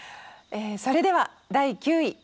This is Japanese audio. それでは第９位「夏コミ！